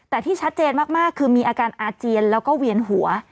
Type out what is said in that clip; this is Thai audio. แต่ที่ชัดเจนมากคือมีอาการอาเจียนแล้วก็เวียนหัว